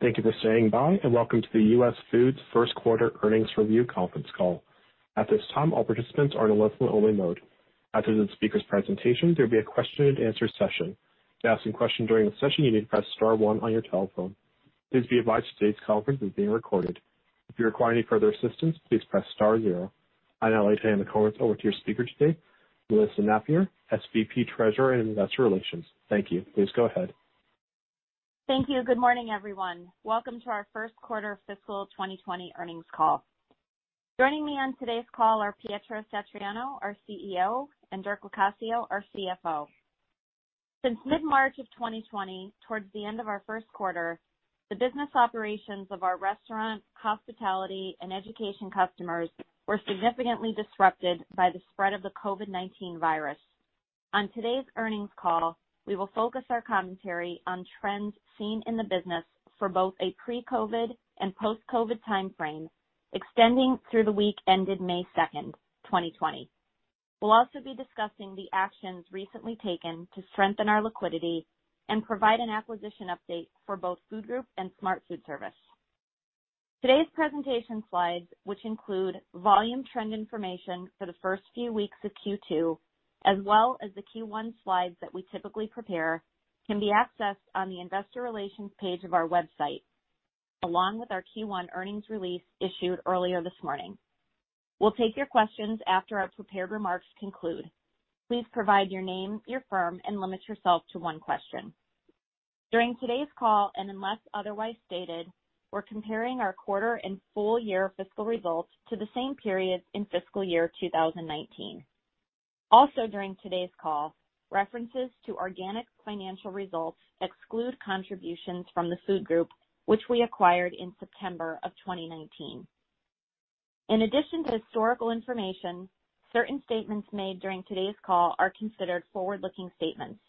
Thank you for staying by, and welcome to the US Foods First Quarter Earnings Review Conference Call. At this time, all participants are in a listen-only mode. After the speaker's presentation, there will be a question-and-answer session. To ask a question during the session, you need to press star one on your telephone. Please be advised today's conference is being recorded. If you require any further assistance, please press star zero. I'd now like to hand the conference over to your speaker today, Melissa Napier, SVP, Treasurer, and Investor Relations. Thank you. Please go ahead. Thank you. Good morning, everyone. Welcome to our first quarter fiscal 2020 earnings call. Joining me on today's call are Pietro Satriano, our CEO, and Dirk Locascio, our CFO. Since mid-March of 2020, towards the end of our first quarter, the business operations of our restaurant, hospitality, and education customers were significantly disrupted by the spread of the COVID-19 virus. On today's earnings call, we will focus our commentary on trends seen in the business for both a pre-COVID and post-COVID timeframe, extending through the week ended May 2, 2020. We'll also be discussing the actions recently taken to strengthen our liquidity and provide an acquisition update for both Food Group and Smart Foodservice. Today's presentation slides, which include volume trend information for the first few weeks of Q2, as well as the Q1 slides that we typically prepare, can be accessed on the investor relations page of our website, along with our Q1 earnings release issued earlier this morning. We'll take your questions after our prepared remarks conclude. Please provide your name, your firm, and limit yourself to one question. During today's call, unless otherwise stated, we're comparing our quarter and full year fiscal results to the same period in fiscal year 2019. Also, during today's call, references to organic financial results exclude contributions from the food group, which we acquired in September of 2019. In addition to historical information, certain statements made during today's call are considered forward-looking statements.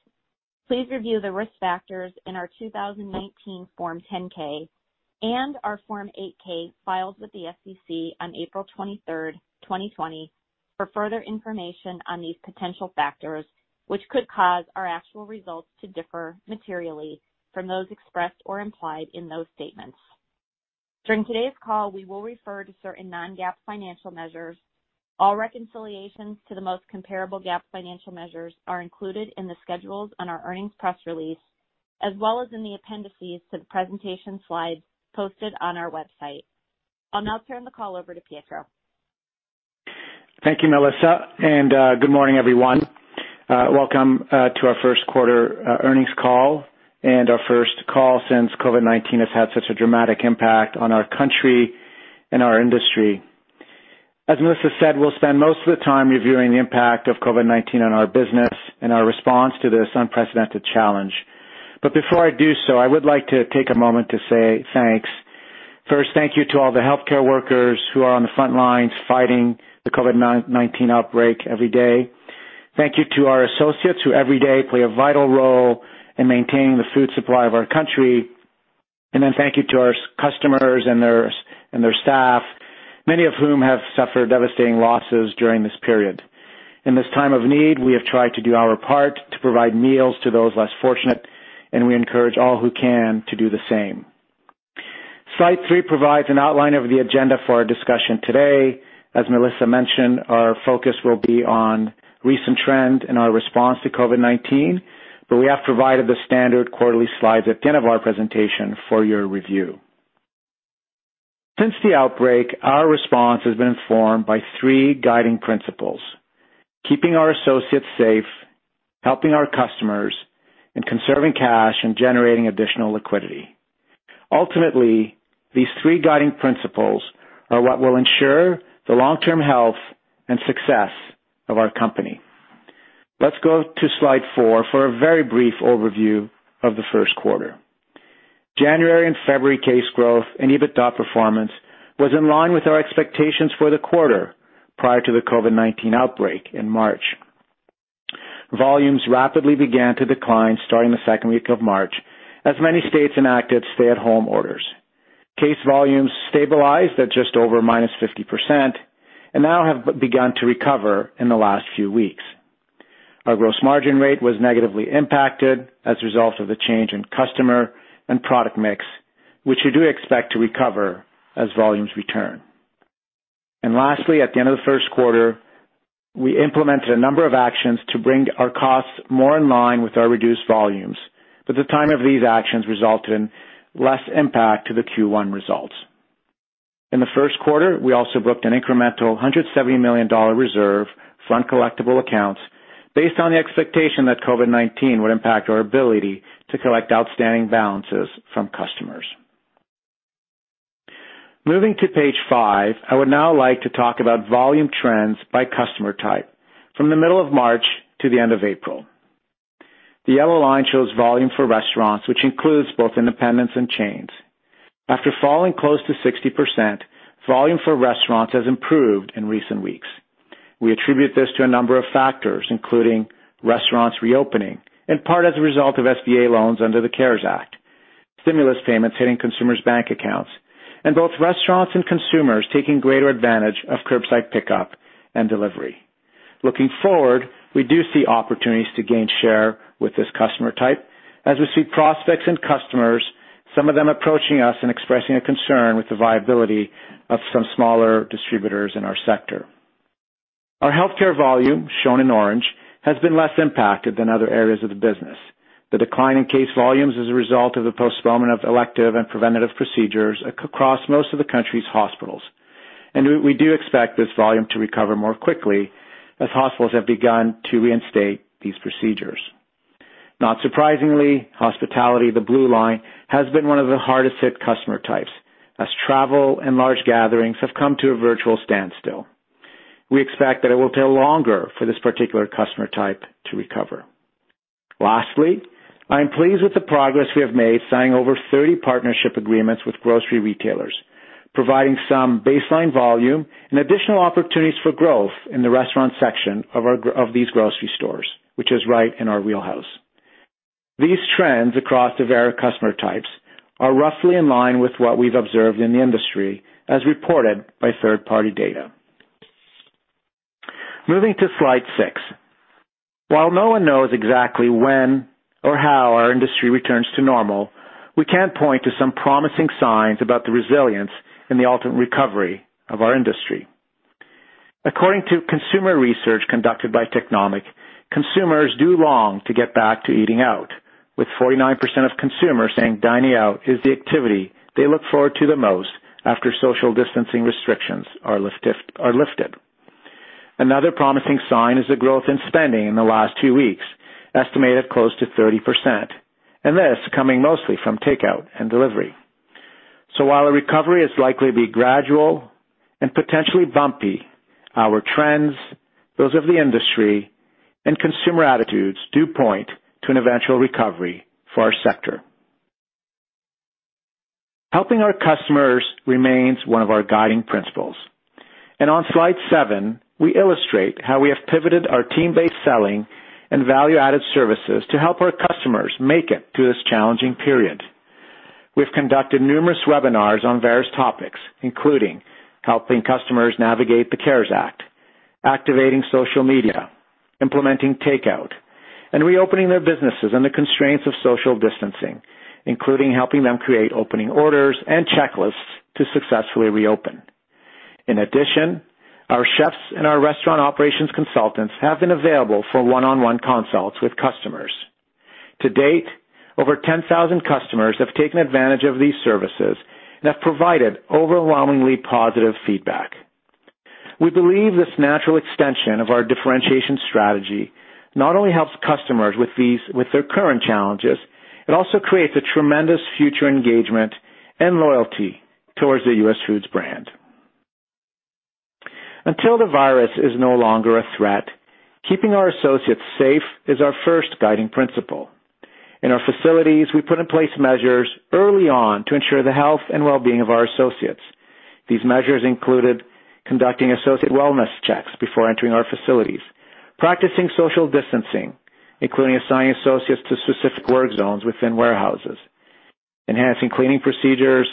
Please review the risk factors in our 2019 Form 10-K and our Form 8-K, filed with the SEC on April 23rd, 2020, for further information on these potential factors, which could cause our actual results to differ materially from those expressed or implied in those statements. During today's call, we will refer to certain non-GAAP financial measures. All reconciliations to the most comparable GAAP financial measures are included in the schedules on our earnings press release, as well as in the appendices to the presentation slides posted on our website. I'll now turn the call over to Pietro. Thank you, Melissa. Good morning, everyone. Welcome to our first quarter earnings call and our first call since COVID-19 has had such a dramatic impact on our country and our industry. As Melissa said, we'll spend most of the time reviewing the impact of COVID-19 on our business and our response to this unprecedented challenge. Before I do so, I would like to take a moment to say thanks. First, thank you to all the healthcare workers who are on the front lines fighting the COVID-19 outbreak every day. Thank you to our associates, who every day play a vital role in maintaining the food supply of our country. Thank you to our customers and their staff, many of whom have suffered devastating losses during this period. In this time of need, we have tried to do our part to provide meals to those less fortunate. We encourage all who can to do the same. Slide three provides an outline of the agenda for our discussion today. As Melissa mentioned, our focus will be on recent trend and our response to COVID-19. We have provided the standard quarterly slides at the end of our presentation for your review. Since the outbreak, our response has been informed by three guiding principles: keeping our associates safe, helping our customers, and conserving cash and generating additional liquidity. Ultimately, these three guiding principles are what will ensure the long-term health and success of our company. Let's go to slide four for a very brief overview of the first quarter. January and February case growth and EBITDA performance was in line with our expectations for the quarter prior to the COVID-19 outbreak in March. Volumes rapidly began to decline starting the second week of March, as many states enacted stay-at-home orders. Case volumes stabilized at just over minus 50% and now have begun to recover in the last few weeks. Our gross margin rate was negatively impacted as a result of the change in customer and product mix, which we do expect to recover as volumes return. Lastly, at the end of the first quarter, we implemented a number of actions to bring our costs more in line with our reduced volumes, but the time of these actions resulted in less impact to the Q1 results. In the first quarter, we also booked an incremental $170 million reserve from collectible accounts based on the expectation that COVID-19 would impact our ability to collect outstanding balances from customers. Moving to page five, I would now like to talk about volume trends by customer type from the middle of March to the end of April. The yellow line shows volume for restaurants, which includes both independents and chains. After falling close to 60%, volume for restaurants has improved in recent weeks. We attribute this to a number of factors, including restaurants reopening, and part as a result of SBA loans under the CARES Act, stimulus payments hitting consumers' bank accounts, and both restaurants and consumers taking greater advantage of curbside pickup and delivery. Looking forward, we do see opportunities to gain share with this customer type, as we see prospects and customers, some of them approaching us and expressing a concern with the viability of some smaller distributors in our sector. Our healthcare volume, shown in orange, has been less impacted than other areas of the business. The decline in case volumes is a result of the postponement of elective and preventative procedures across most of the country's hospitals. We do expect this volume to recover more quickly as hospitals have begun to reinstate these procedures. Not surprisingly, hospitality, the blue line, has been one of the hardest hit customer types, as travel and large gatherings have come to a virtual standstill. We expect that it will take longer for this particular customer type to recover. Lastly, I am pleased with the progress we have made, signing over 30 partnership agreements with grocery retailers, providing some baseline volume and additional opportunities for growth in the restaurant section of our, of these grocery stores, which is right in our wheelhouse. These trends across the various customer types are roughly in line with what we've observed in the industry, as reported by third-party data. Moving to slide 6. While no one knows exactly when or how our industry returns to normal, we can point to some promising signs about the resilience and the ultimate recovery of our industry. According to consumer research conducted by Technomic, consumers do long to get back to eating out, with 49% of consumers saying dining out is the activity they look forward to the most after social distancing restrictions are lifted. Another promising sign is the growth in spending in the last two weeks, estimated close to 30%, and this coming mostly from takeout and delivery. While a recovery is likely to be gradual and potentially bumpy, our trends, those of the industry, and consumer attitudes do point to an eventual recovery for our sector. Helping our customers remains one of our guiding principles. On slide 7, we illustrate how we have pivoted our team-based selling and value-added services to help our customers make it through this challenging period. We've conducted numerous webinars on various topics, including helping customers navigate the CARES Act, activating social media, implementing takeout, and reopening their businesses in the constraints of social distancing, including helping them create opening orders and checklists to successfully reopen. In addition, our chefs and our restaurant operations consultants have been available for one-on-one consults with customers. To date, over 10,000 customers have taken advantage of these services and have provided overwhelmingly positive feedback. We believe this natural extension of our differentiation strategy not only helps customers with their current challenges, it also creates a tremendous future engagement and loyalty towards the US Foods brand. Until the virus is no longer a threat, keeping our associates safe is our first guiding principle. In our facilities, we put in place measures early on to ensure the health and wellbeing of our associates. These measures included conducting associate wellness checks before entering our facilities, practicing social distancing, including assigning associates to specific work zones within warehouses, enhancing cleaning procedures,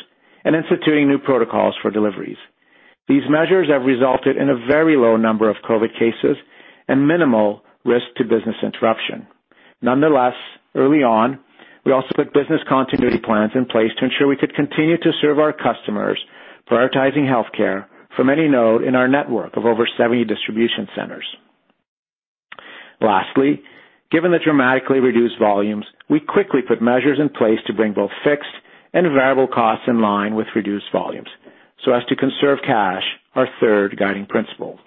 and instituting new protocols for deliveries. These measures have resulted in a very low number of COVID cases and minimal risk to business interruption. Nonetheless, early on, we also put business continuity plans in place to ensure we could continue to serve our customers, prioritizing healthcare from any node in our network of over 70 distribution centers. Lastly, given the dramatically reduced volumes, we quickly put measures in place to bring both fixed and variable costs in line with reduced volumes, so as to conserve cash, our third guiding principle.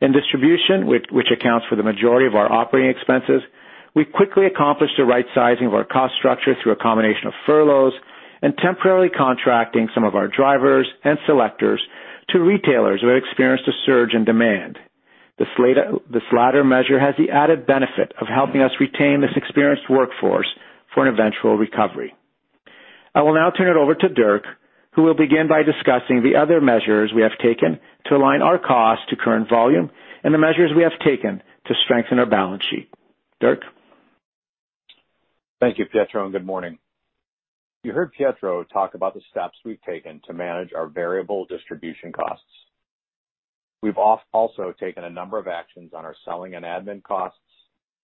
In distribution, which accounts for the majority of our operating expenses, we quickly accomplished the right-sizing of our cost structure through a combination of furloughs and temporarily contracting some of our drivers and selectors to retailers who had experienced a surge in demand. This latter measure has the added benefit of helping us retain this experienced workforce for an eventual recovery. I will now turn it over to Dirk, who will begin by discussing the other measures we have taken to align our costs to current volume and the measures we have taken to strengthen our balance sheet. Dirk? Thank you, Pietro. Good morning. You heard Pietro talk about the steps we've taken to manage our variable distribution costs. We've also taken a number of actions on our selling and admin costs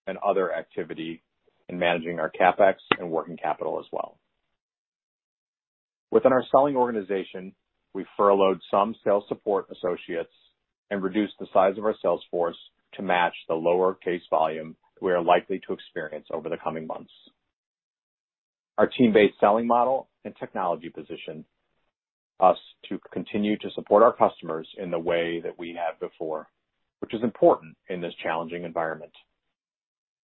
and other activity in managing our CapEx and working capital as well. Within our selling organization, we furloughed some sales support associates and reduced the size of our sales force to match the lower case volume we are likely to experience over the coming months. Our team-based selling model and technology position us to continue to support our customers in the way that we have before, which is important in this challenging environment.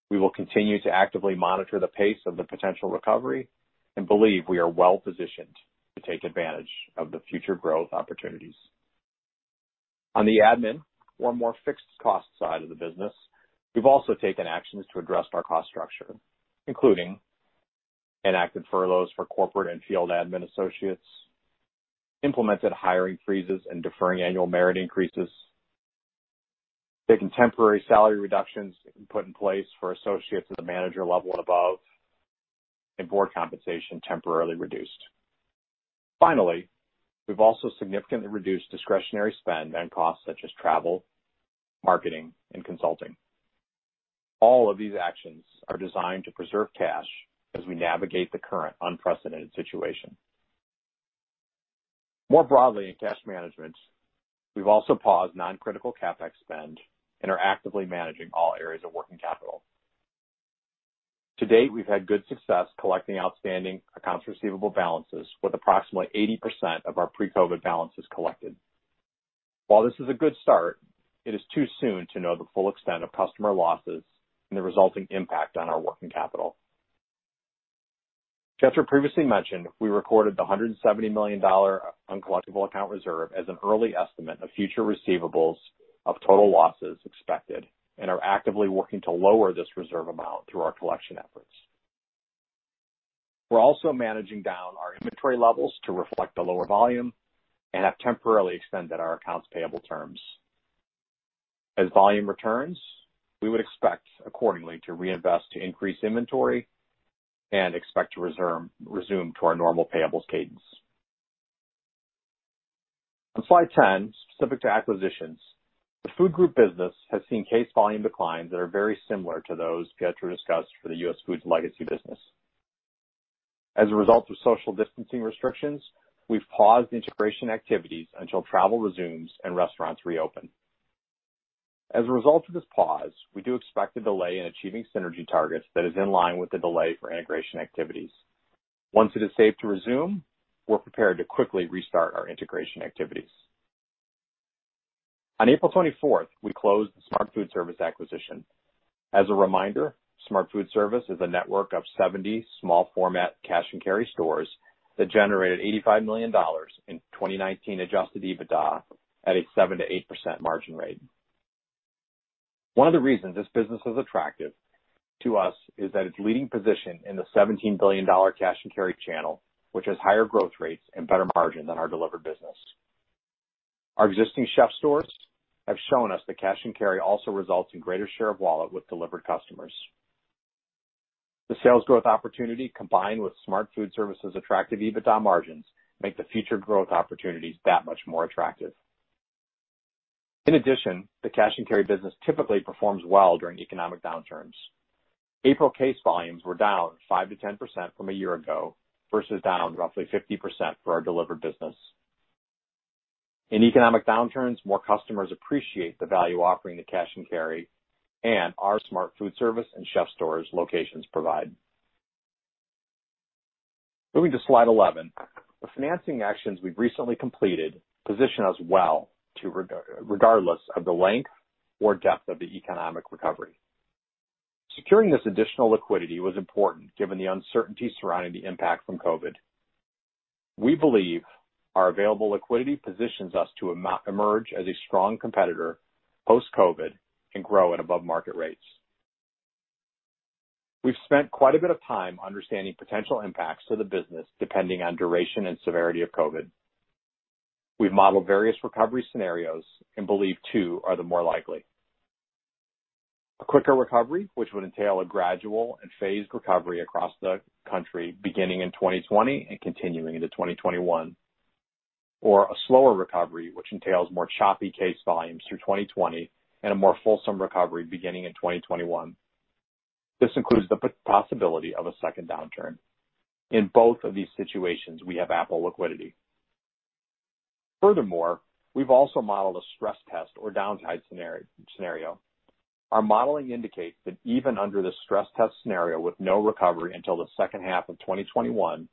We will continue to actively monitor the pace of the potential recovery and believe we are well positioned to take advantage of the future growth opportunities. On the admin or more fixed cost side of the business, we've also taken actions to address our cost structure, including enacted furloughs for corporate and field admin associates, implemented hiring freezes and deferring annual merit increases, taking temporary salary reductions put in place for associates at the manager level and above, and board compensation temporarily reduced. Finally, we've also significantly reduced discretionary spend and costs, such as travel, marketing, and consulting. All of these actions are designed to preserve cash as we navigate the current unprecedented situation. More broadly, in cash management, we've also paused non-critical CapEx spend and are actively managing all areas of working capital. To date, we've had good success collecting outstanding accounts receivable balances, with approximately 80% of our pre-COVID balances collected. While this is a good start, it is too soon to know the full extent of customer losses and the resulting impact on our working capital. As previously mentioned, we recorded the $170 million uncollectible account reserve as an early estimate of future receivables of total losses expected, and are actively working to lower this reserve amount through our collection efforts. We're also managing down our inventory levels to reflect the lower volume and have temporarily extended our accounts payable terms. As volume returns, we would expect accordingly to reinvest, to increase inventory and expect to resume to our normal payables cadence. On slide 10, specific to acquisitions, the food group business has seen case volume declines that are very similar to those Pietro discussed for the US Foods legacy business. As a result of social distancing restrictions, we've paused integration activities until travel resumes and restaurants reopen. As a result of this pause, we do expect a delay in achieving synergy targets that is in line with the delay for integration activities. Once it is safe to resume, we're prepared to quickly restart our integration activities. On April 24th, we closed the Smart Foodservice acquisition. As a reminder, Smart Foodservice is a network of 70 small format cash and carry stores that generated $85 million in 2019 adjusted EBITDA at a 7%-8% margin rate. One of the reasons this business is attractive to us is that its leading position in the $17 billion cash and carry channel, which has higher growth rates and better margin than our delivered business. Our existing CHEF'STORE stores have shown us that cash and carry also results in greater share of wallet with delivered customers. The sales growth opportunity, combined with Smart Foodservice's attractive EBITDA margins, make the future growth opportunities that much more attractive. In addition, the cash and carry business typically performs well during economic downturns. April case volumes were down 5%-10% from a year ago, versus down roughly 50% for our delivered business. In economic downturns, more customers appreciate the value offering the cash and carry and our Smart Foodservice and CHEF'STORE stores locations provide. Moving to slide 11. The financing actions we've recently completed position us well to re- regardless of the length or depth of the economic recovery. Securing this additional liquidity was important, given the uncertainty surrounding the impact from COVID. We believe our available liquidity positions us to emerge as a strong competitor post-COVID and grow at above market rates. We've spent quite a bit of time understanding potential impacts to the business, depending on duration and severity of COVID. We've modeled various recovery scenarios and believe two are the more likely. A quicker recovery, which would entail a gradual and phased recovery across the country beginning in 2020 and continuing into 2021, or a slower recovery, which entails more choppy case volumes through 2020 and a more fulsome recovery beginning in 2021. This includes the possibility of a second downturn. In both of these situations, we have ample liquidity. Furthermore, we've also modeled a stress test or downside scenario. Our modeling indicates that even under the stress test scenario, with no recovery until the second half of 2021,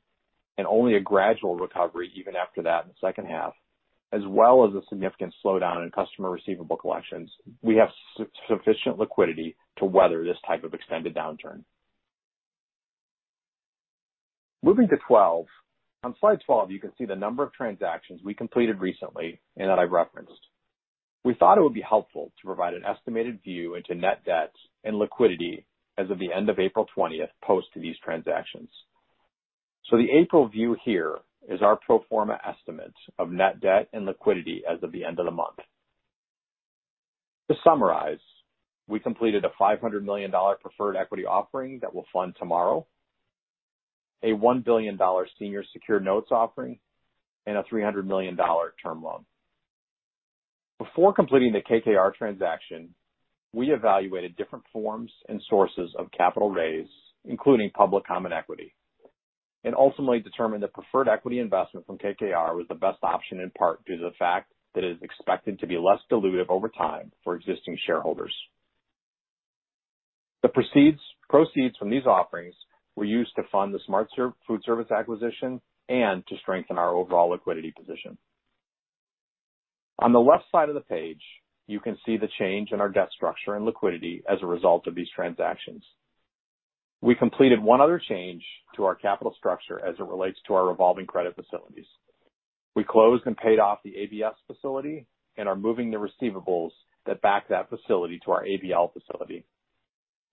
and only a gradual recovery even after that in the second half, as well as a significant slowdown in customer receivable collections, we have sufficient liquidity to weather this type of extended downturn. Moving to 12. On slide 12, you can see the number of transactions we completed recently and that I've referenced. We thought it would be helpful to provide an estimated view into net debt and liquidity as of the end of April 20th, post to these transactions. The April view here is our pro forma estimate of net debt and liquidity as of the end of the month. To summarize, we completed a $500 million preferred equity offering that will fund tomorrow, a $1 billion senior secured notes offering, and a $300 million term loan. Before completing the KKR transaction, we evaluated different forms and sources of capital raise, including public common equity, and ultimately determined that preferred equity investment from KKR was the best option, in part due to the fact that it is expected to be less dilutive over time for existing shareholders. The proceeds from these offerings were used to fund the Smart Foodservice Warehouse Stores acquisition and to strengthen our overall liquidity position. On the left side of the page, you can see the change in our debt structure and liquidity as a result of these transactions. We completed one other change to our capital structure as it relates to our revolving credit facilities. We closed and paid off the ABS facility and are moving the receivables that back that facility to our ABL facility.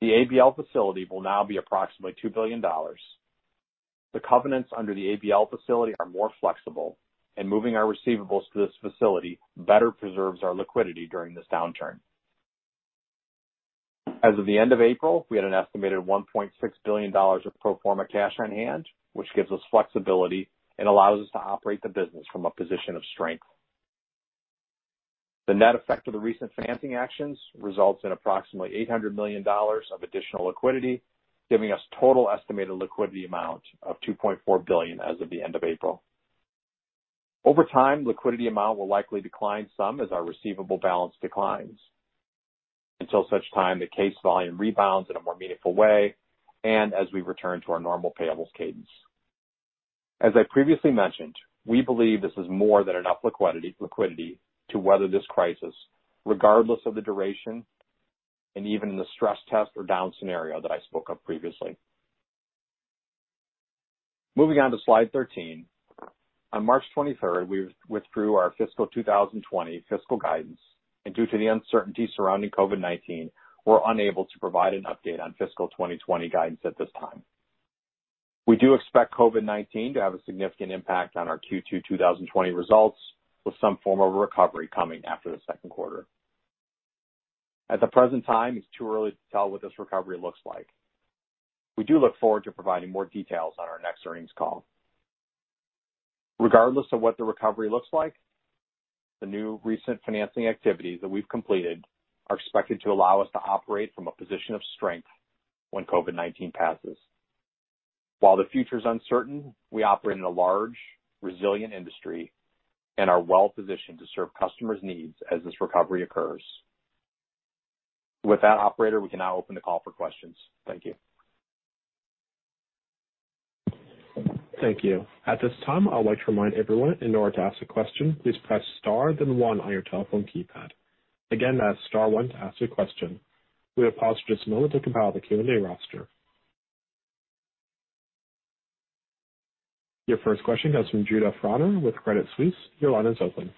The ABL facility will now be approximately $2 billion. The covenants under the ABL facility are more flexible, and moving our receivables to this facility better preserves our liquidity during this downturn. As of the end of April, we had an estimated $1.6 billion of pro forma cash on hand, which gives us flexibility and allows us to operate the business from a position of strength. The net effect of the recent financing actions results in approximately $800 million of additional liquidity, giving us total estimated liquidity amount of $2.4 billion as of the end of April. Over time, liquidity amount will likely decline some as our receivable balance declines, until such time the case volume rebounds in a more meaningful way and as we return to our normal payables cadence. As I previously mentioned, we believe this is more than enough liquidity to weather this crisis, regardless of the duration and even the stress test or down scenario that I spoke of previously. Moving on to slide 13. On March 23rd, we withdrew our fiscal 2020 fiscal guidance, and due to the uncertainty surrounding COVID-19, we're unable to provide an update on fiscal 2020 guidance at this time. We do expect COVID-19 to have a significant impact on our Q2, 2020 results, with some form of recovery coming after the second quarter. At the present time, it's too early to tell what this recovery looks like. We do look forward to providing more details on our next earnings call. Regardless of what the recovery looks like, the new recent financing activities that we've completed are expected to allow us to operate from a position of strength when COVID-19 passes. While the future is uncertain, we operate in a large, resilient industry and are well positioned to serve customers' needs as this recovery occurs. With that, operator, we can now open the call for questions. Thank you. Thank you. At this time, I would like to remind everyone, in order to ask a question, please press star then one on your telephone keypad. Again, that's star one to ask a question. We ask for just a moment to compile the Q&A roster. Your first question comes from Judah Frommer with Credit Suisse. Your line is open.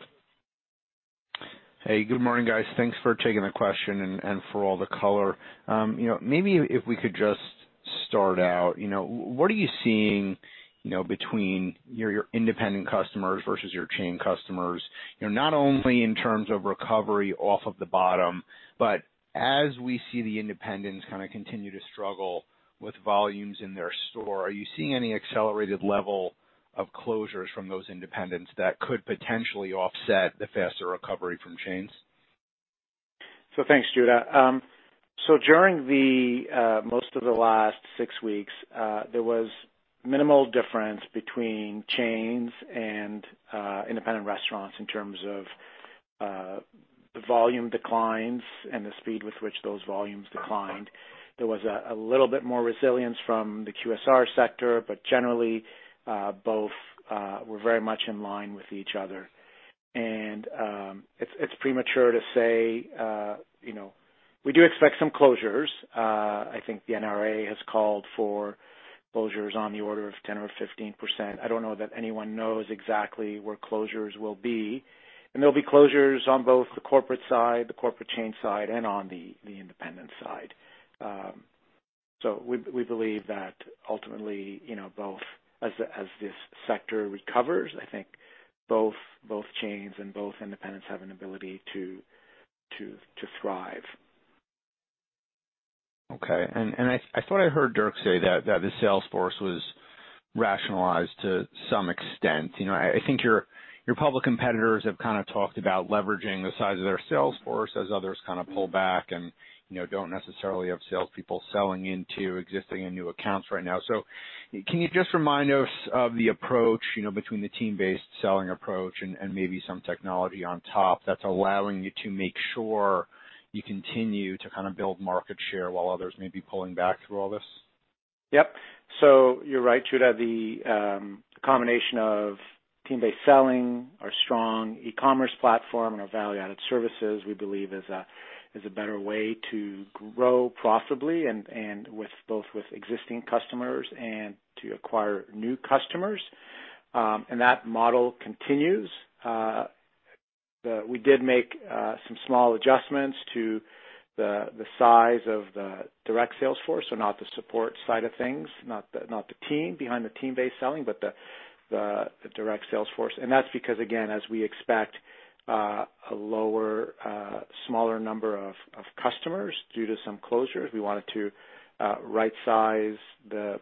Hey, good morning, guys. Thanks for taking the question and, and for all the color. You know, maybe if we could just start out, you know, what are you seeing, you know, between your, your independent customers versus your chain customers? You know, not only in terms of recovery off of the bottom, but as we see the independents kind of continue to struggle with volumes in their store, are you seeing any accelerated level of closures from those independents that could potentially offset the faster recovery from chains? Thanks, Judah. During the most of the last six weeks, there was minimal difference between chains and independent restaurants in terms of the volume declines and the speed with which those volumes declined. There was a little bit more resilience from the QSR sector, but generally, both were very much in line with each other. It's premature to say, you know, we do expect some closures. I think the NRA has called for closures on the order of 10% or 15%. I don't know that anyone knows exactly where closures will be, there'll be closures on both the corporate side, the corporate chain side, and on the independent side. We, we believe that ultimately, you know, both, as, as this sector recovers, I think both, both chains and both independents have an ability to, to, to thrive. Okay. I, I thought I heard Dirk say that, that the sales force was rationalized to some extent. You know, I, I think your, your public competitors have kind of talked about leveraging the size of their sales force as others kind of pull back and, you know, don't necessarily have salespeople selling into existing and new accounts right now. Can you just remind us of the approach, you know, between the team-based selling approach and, and maybe some technology on top that's allowing you to make sure you continue to kind of build market share while others may be pulling back through all this? Yep. You're right, Judah. The combination of team-based selling, our strong e-commerce platform, and our value-added services, we believe is a better way to grow profitably and with both with existing customers and to acquire new customers. That model continues. We did make some small adjustments to the size of the direct sales force, so not the support side of things, not the team behind the team-based selling, but the direct sales force. That's because, again, as we expect a lower, smaller number of customers due to some closures, we wanted to rightsize the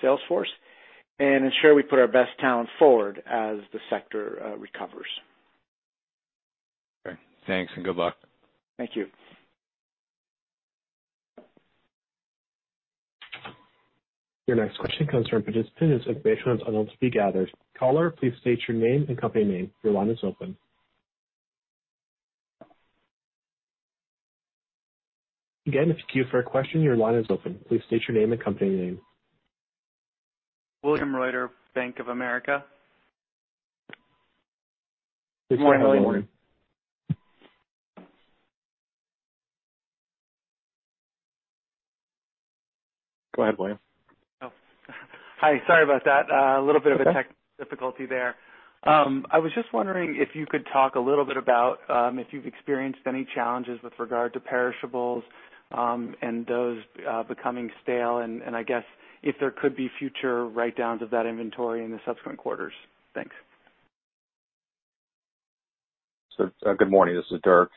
sales force and ensure we put our best talent forward as the sector recovers. Okay. Thanks, and good luck. Thank you. Your next question comes from a participant whose information is unable to be gathered. Caller, please state your name and company name. Your line is open. Again, if you're queued for a question, your line is open. Please state your name and company name. William Reuter, Bank of America. Good morning, William. Go ahead, William. Oh, hi. Sorry about that. A little bit of a tech difficulty there. I was just wondering if you could talk a little bit about if you've experienced any challenges with regard to perishables, and those becoming stale, and I guess if there could be future write-downs of that inventory in the subsequent quarters? Thanks. Good morning. This is Dirk.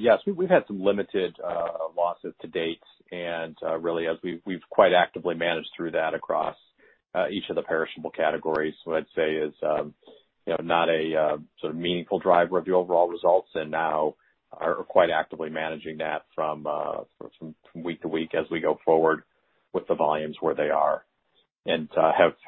Yes, we've had some limited losses to date, and really, as we've quite actively managed through that across each of the perishable categories. I'd say is, you know, not a sort of meaningful driver of the overall results and now are quite actively managing that from week to week as we go forward with the volumes where they are.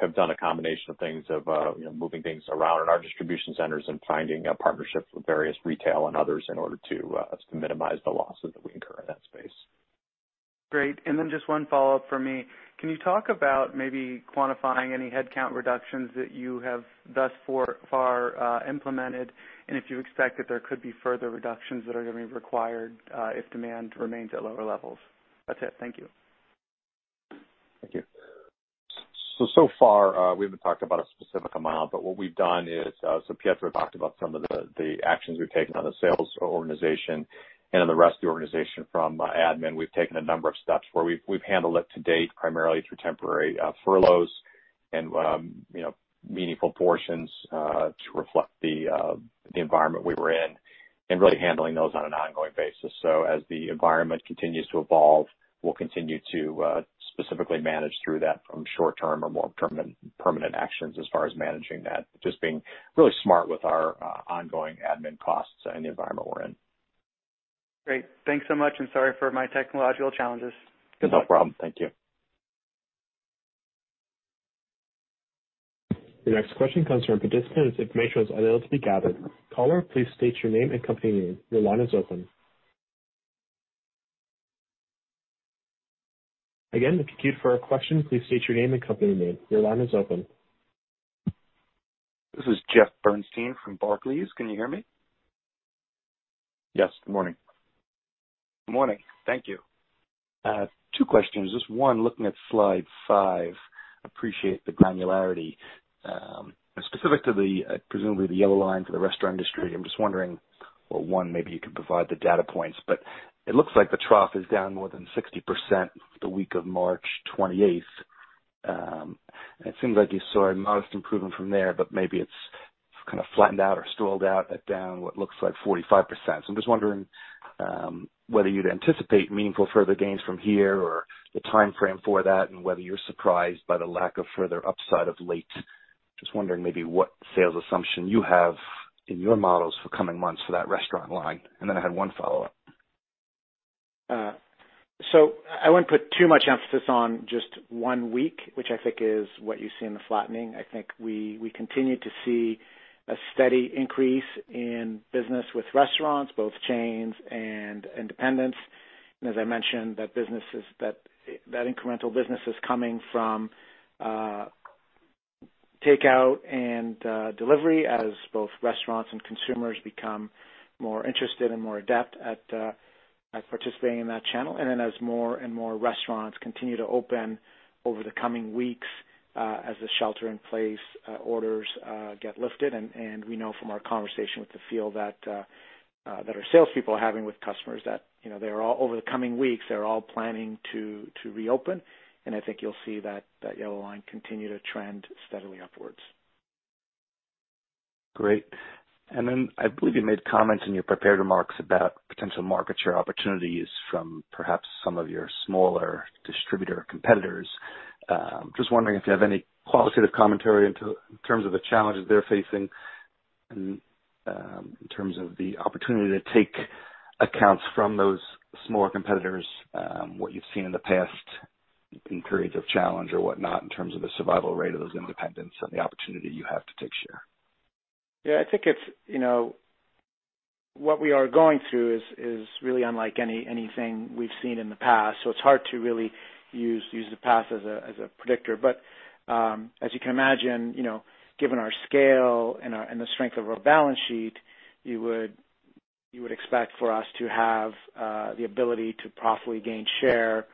Have done a combination of things of, you know, moving things around in our distribution centers and finding a partnership with various retail and others in order to minimize the losses that we incur in that space. Great. Then just one follow-up for me. Can you talk about maybe quantifying any headcount reductions that you have thus far implemented, and if you expect that there could be further reductions that are gonna be required if demand remains at lower levels? That's it. Thank you. Thank you. So far, we haven't talked about a specific amount, but what we've done is, Pietro talked about some of the, the actions we've taken on the sales organization and on the rest of the organization from admin. We've taken a number of steps where we've, we've handled it to date, primarily through temporary furloughs and, you know, meaningful portions to reflect the environment we were in and really handling those on an ongoing basis. As the environment continues to evolve, we'll continue to specifically manage through that from short term or more permanent, permanent actions as far as managing that, just being really smart with our ongoing admin costs and the environment we're in. Great. Thanks so much, and sorry for my technological challenges. No problem. Thank you. The next question comes from a participant whose information is unavailable to be gathered. Caller, please state your name and company name. Your line is open. Again, to queue for a question, please state your name and company name. Your line is open. This is Jeffrey Bernstein from Barclays. Can you hear me? Yes. Good morning. Good morning. Thank you. Two questions. Just one, looking at slide five, appreciate the granularity. Specific to the, presumably the yellow line for the restaurant industry, I'm just wondering, or one, maybe you can provide the data points, but it looks like the trough is down more than 60% the week of March 28th. It seems like you saw a modest improvement from there, but maybe it's kind of flattened out or stalled out at down what looks like 45%. I'm just wondering whether you'd anticipate meaningful further gains from here or the timeframe for that, and whether you're surprised by the lack of further upside of late. Just wondering maybe what sales assumption you have in your models for coming months for that restaurant line. I had 1 follow-up. I wouldn't put too much emphasis on just one week, which I think is what you see in the flattening. I think we, we continue to see a steady increase in business with restaurants, both chains and independents. As I mentioned, that business is, that, that incremental business is coming from takeout and delivery as both restaurants and consumers become more interested and more adept at participating in that channel. Then as more and more restaurants continue to open over the coming weeks, as the shelter-in-place orders get lifted. We know from our conversation with the field that our salespeople are having with customers, that, you know, they're all, over the coming weeks, they're all planning to, to reopen, and I think you'll see that, that yellow line continue to trend steadily upwards. Great. Then I believe you made comments in your prepared remarks about potential market share opportunities from perhaps some of your smaller distributor competitors. Just wondering if you have any qualitative commentary into, in terms of the challenges they're facing, and, in terms of the opportunity to take accounts from those smaller competitors, what you've seen in the past in periods of challenge or whatnot, in terms of the survival rate of those independents and the opportunity you have to take share? I think it's... You know, what we are going through is, is really unlike anything we've seen in the past, it's hard to really use, use the past as a, as a predictor. As you can imagine, you know, given our scale and the strength of our balance sheet, you would, you would expect for us to have the ability to profitably gain share.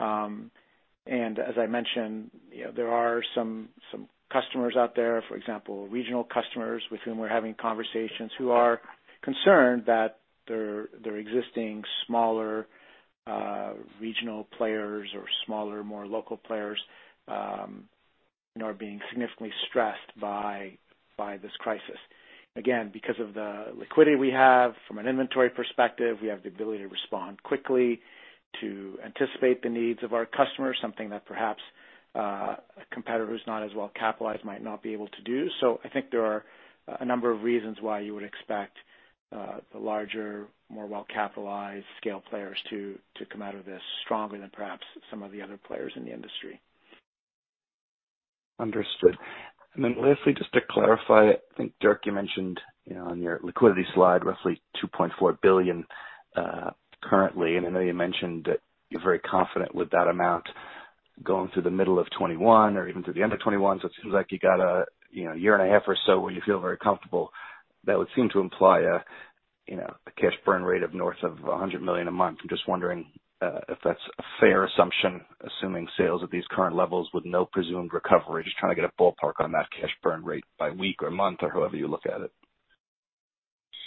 As I mentioned, you know, there are some, some customers out there, for example, regional customers with whom we're having conversations, who are concerned that their, their existing smaller regional players or smaller, more local players, you know, are being significantly stressed by, by this crisis. Because of the liquidity we have from an inventory perspective, we have the ability to respond quickly, to anticipate the needs of our customers, something that perhaps a competitor who's not as well capitalized might not be able to do. I think there are a number of reasons why you would expect the larger, more well-capitalized scale players to, to come out of this stronger than perhaps some of the other players in the industry. Understood. Lastly, just to clarify, I think, Dirk, you mentioned, you know, on your liquidity slide, roughly $2.4 billion currently, and I know you mentioned that you're very confident with that amount going through the middle of 2021 or even through the end of 2021. It seems like you got a, you know, year and a half or so where you feel very comfortable. That would seem to imply a, you know, a cash burn rate of north of $100 million a month. I'm just wondering, if that's a fair assumption, assuming sales at these current levels with no presumed recovery. Just trying to get a ballpark on that cash burn rate by week or month or however you look at it.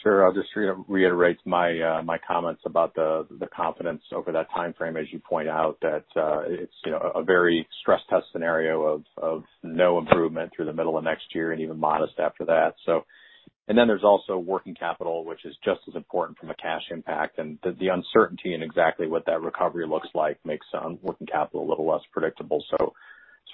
Sure. I'll just reiterate my comments about the confidence over that timeframe. As you point out that it's, you know, a very stress test scenario of no improvement through the middle of next year and even modest after that. Then there's also working capital, which is just as important from a cash impact, and the uncertainty in exactly what that recovery looks like makes working capital a little less predictable. That's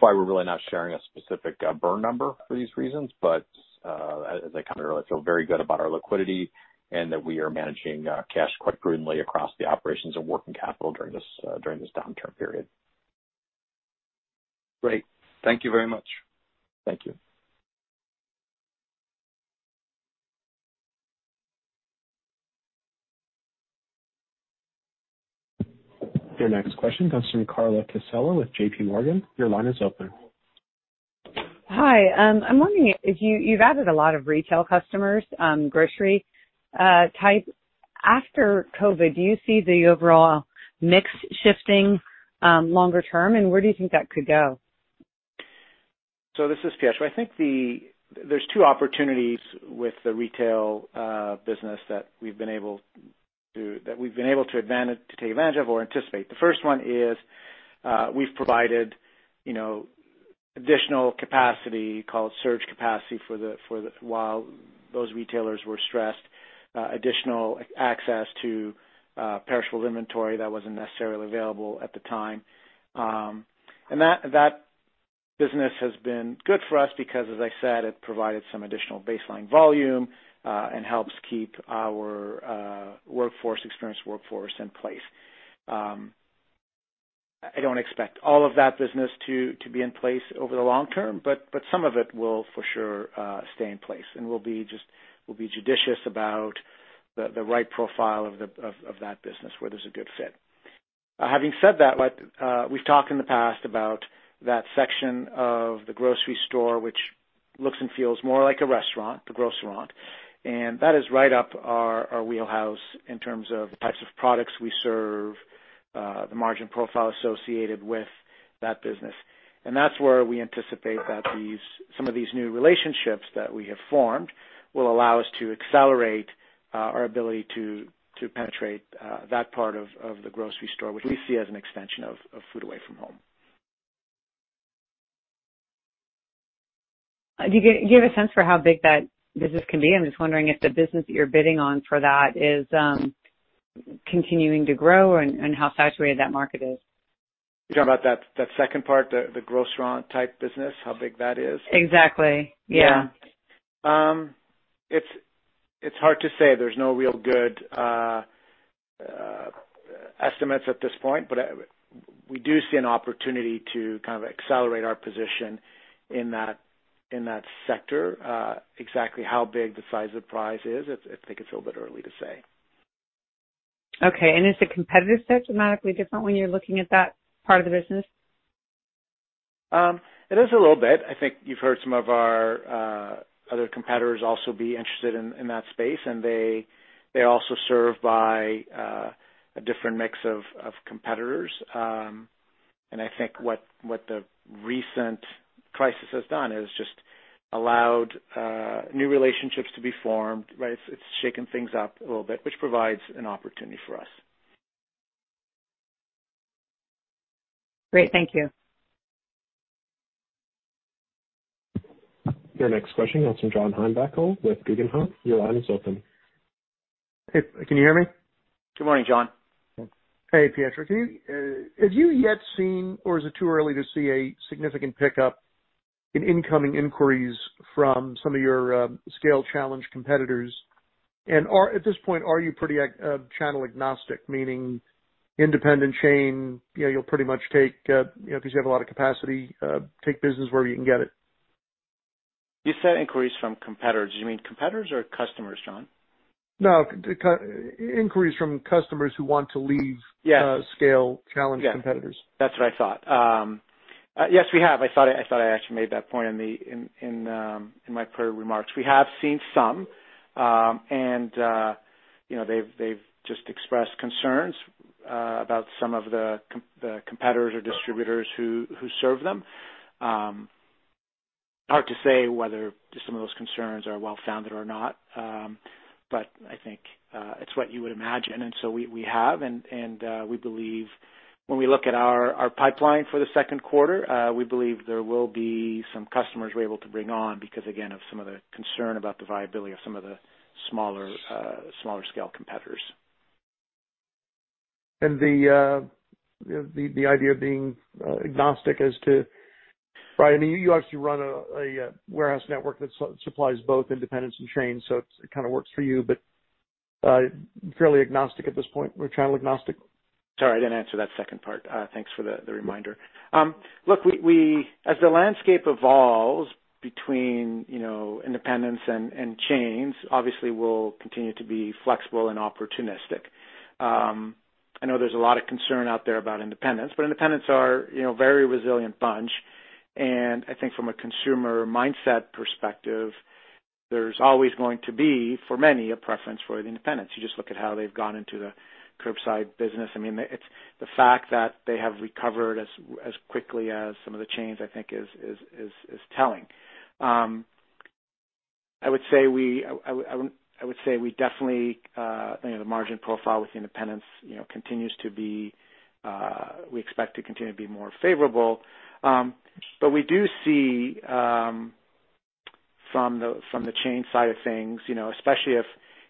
why we're really not sharing a specific burn number for these reasons. As I commented earlier, I feel very good about our liquidity and that we are managing cash quite prudently across the operations of working capital during this downturn period. Great. Thank you very much. Thank you. Your next question comes from Carla Casella with JPMorgan. Your line is open. Hi. I'm wondering if you've added a lot of retail customers, grocery type. After COVID, do you see the overall mix shifting, longer term, and where do you think that could go? This is Pietro. I think there's two opportunities with the retail business that we've been able to, that we've been able to take advantage of or anticipate. The first one is, we've provided, you know, additional capacity, called surge capacity. While those retailers were stressed, additional access to perishable inventory that wasn't necessarily available at the time. And that, that business has been good for us because, as I said, it provided some additional baseline volume and helps keep our workforce, experienced workforce in place. I don't expect all of that business to be in place over the long term, but some of it will for sure, stay in place, and we'll be judicious about the right profile of that business where there's a good fit. Having said that, like, we've talked in the past about that section of the grocery store, which looks and feels more like a restaurant, the grocerant, and that is right up our wheelhouse in terms of the types of products we serve, the margin profile associated with that business. That's where we anticipate that these, some of these new relationships that we have formed will allow us to accelerate our ability to penetrate that part of the grocery store, which we see as an extension of food away from home. Do you, do you have a sense for how big that business can be? I'm just wondering if the business that you're bidding on for that is continuing to grow and, and how saturated that market is. You're talking about that, that second part, the, the grocerant type business, how big that is? Exactly. Yeah. Yeah. It's, it's hard to say. There's no real good estimates at this point, but we do see an opportunity to kind of accelerate our position in that, in that sector. Exactly how big the size of the prize is, I think it's a little bit early to say. Okay. Is the competitive set dramatically different when you're looking at that part of the business? It is a little bit. I think you've heard some of our other competitors also be interested in, in that space, and they, they also serve by a different mix of competitors. I think what, what the recent crisis has done is just allowed new relationships to be formed, right? It's, it's shaken things up a little bit, which provides an opportunity for us. Great. Thank you. Your next question comes from John Heinbockel with Guggenheim. Your line is open. Hey, can you hear me? Good morning, John. Hey, Pietro. Can you Have you yet seen, or is it too early to see a significant pickup in incoming inquiries from some of your scale-challenged competitors? Are at this point, are you pretty channel agnostic, meaning independent chain, you know, you'll pretty much take, you know, because you have a lot of capacity, take business where you can get it? You said inquiries from competitors. Do you mean competitors or customers, John? No, inquiries from customers who want to leave. Yes. scale-challenged competitors. Yes. That's what I thought. Yes, we have. I thought I, I thought I actually made that point in the, in, in my prior remarks. We have seen some, and, you know, they've, they've just expressed concerns about some of the competitors or distributors who, who serve them. Hard to say whether some of those concerns are well-founded or not, but I think it's what you would imagine. We, we have, and, and, we believe when we look at our, our pipeline for the second quarter, we believe there will be some customers we're able to bring on because again, of some of the concern about the viability of some of the smaller, smaller scale competitors. The, the, the idea of being agnostic as to. Right, I mean, you obviously run a, a, warehouse network that supplies both independents and chains, so it kind of works for you, but, fairly agnostic at this point. We're channel agnostic? Sorry, I didn't answer that second part. Thanks for the reminder. Look, as the landscape evolves between, you know, independents and chains, obviously we'll continue to be flexible and opportunistic. I know there's a lot of concern out there about independents, independents are, you know, a very resilient bunch, and I think from a consumer mindset perspective, there's always going to be, for many, a preference for the independents. You just look at how they've gone into the curbside business. I mean, it's the fact that they have recovered as quickly as some of the chains, I think, is telling. I would say we definitely, you know, the margin profile with independents, you know, continues to be, we expect to continue to be more favorable. We do see, from the, from the chain side of things, you know, especially if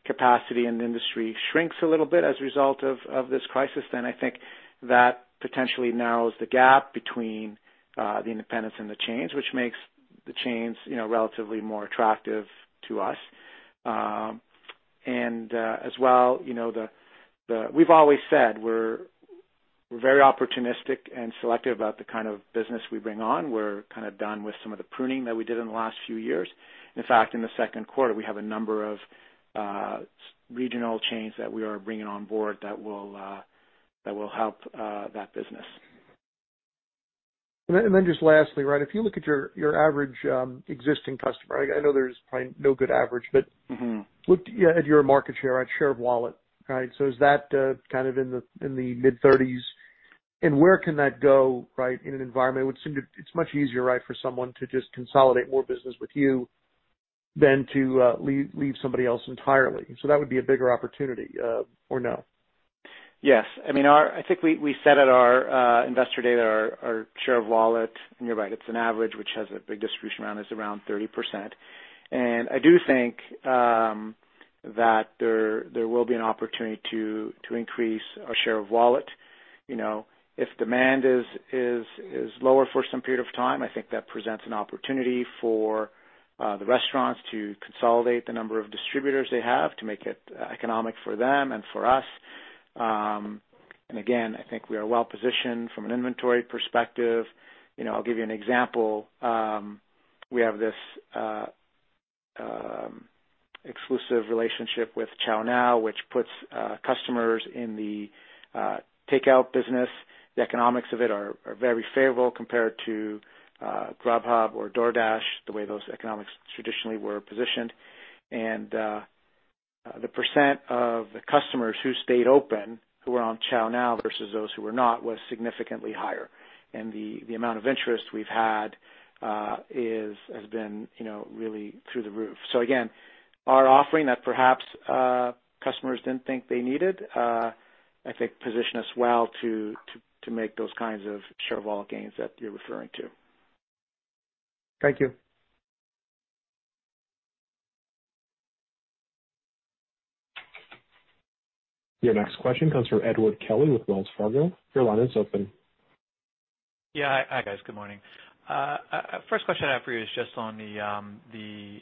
capacity in the industry shrinks a little bit as a result of, of this crisis, then I think that potentially narrows the gap between the independents and the chains, which makes the chains, you know, relatively more attractive to us. As well, you know, we've always said we're, we're very opportunistic and selective about the kind of business we bring on. We're kind of done with some of the pruning that we did in the last few years. In fact, in the second quarter, we have a number of regional chains that we are bringing on board that will help that business. Just lastly, right, if you look at your, your average, existing customer, I, I know there's probably no good average, but. Mm-hmm. Look, yeah, at your market share, at share of wallet, right? Is that kind of in the mid-30s? Where can that go, right, in an environment it would seem it's much easier, right, for someone to just consolidate more business with you than to leave, leave somebody else entirely. That would be a bigger opportunity, or no? Yes. I mean, our, I think we, we said at our investor day that our share of wallet, and you're right, it's an average which has a big distribution around it, is around 30%. I do think that there will be an opportunity to increase our share of wallet. You know, if demand is, is, is lower for some period of time, I think that presents an opportunity for the restaurants to consolidate the number of distributors they have, to make it economic for them and for us. Again, I think we are well positioned from an inventory perspective. You know, I'll give you an example. We have this exclusive relationship with ChowNow, which puts customers in the takeout business. The economics of it are, are very favorable compared to Grubhub or DoorDash, the way those economics traditionally were positioned. The percent of the customers who stayed open, who were on ChowNow versus those who were not, was significantly higher. The amount of interest we've had has been, you know, really through the roof. Again, our offering that perhaps customers didn't think they needed, I think position us well to, to, to make those kinds of share of wallet gains that you're referring to. Thank you. Your next question comes from Edward Kelly with Wells Fargo. Your line is open. Yeah. Hi, guys. Good morning. First question I have for you is just on the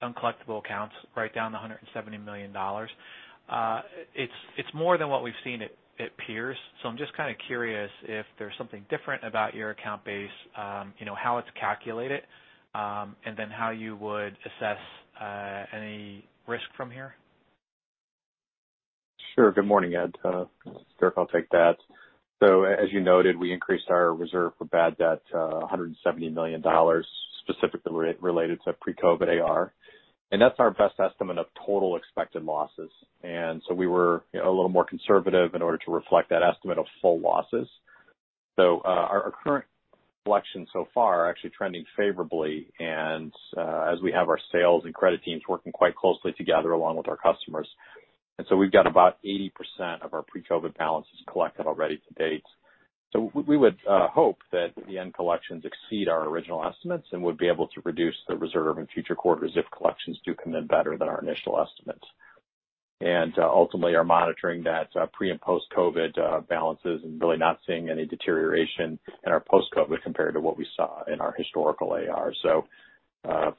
uncollectible accounts, right down to $170 million. It's, it's more than what we've seen at, at peers. I'm just kind of curious if there's something different about your account base, you know, how it's calculated, and then how you would assess any risk from here? Sure. Good morning, Ed. Dirk, I'll take that. As you noted, we increased our reserve for bad debt, $170 million, specifically related to pre-COVID AR, and that's our best estimate of total expected losses. We were, you know, a little more conservative in order to reflect that estimate of full losses. Our current collections so far are actually trending favorably, as we have our sales and credit teams working quite closely together along with our customers. We've got about 80% of our pre-COVID balances collected already to date. We would hope that the end collections exceed our original estimates and would be able to reduce the reserve in future quarters if collections do come in better than our initial estimates. Ultimately are monitoring that pre- and post-COVID balances and really not seeing any deterioration in our post-COVID compared to what we saw in our historical AR.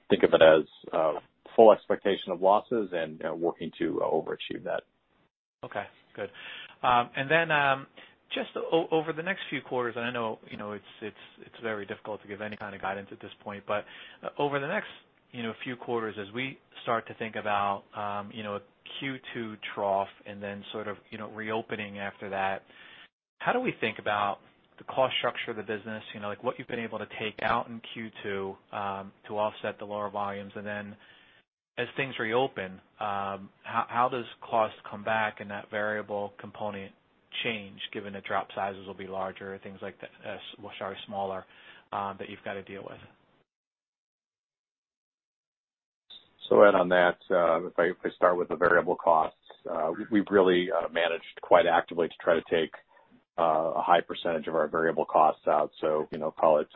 Think of it as full expectation of losses and working to overachieve that. Okay, good. Then, just over the next few quarters, and I know, you know, it's, it's, it's very difficult to give any kind of guidance at this point, but over the next, you know, few quarters, as we start to think about, you know, a Q2 trough and then sort of, you know, reopening after that, how do we think about the cost structure of the business? You know, like what you've been able to take out in Q2, to offset the lower volumes. Then as things reopen, how, how does cost come back and that variable component change, given the drop sizes will be larger, things like that, sorry, smaller, that you've got to deal with? Ed, on that, if I, if I start with the variable costs, we've really managed quite actively to try to take a high percentage of our variable costs out. You know, call it,